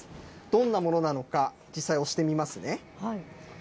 どんなものなのか、実際押してみますね。